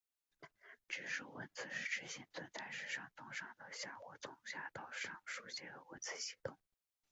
直书文字是指现存在世上从上到下或从下到上书写的文字系统。